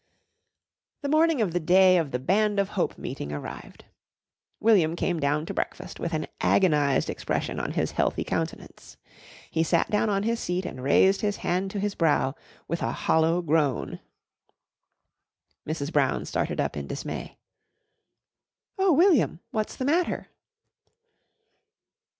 The morning of the day of the Band of Hope meeting arrived. William came down to breakfast with an agonised expression on his healthy countenance. He sat down on his seat and raised his hand to his brow with a hollow groan. Mrs. Brown started up in dismay. "Oh, William! What's the matter?"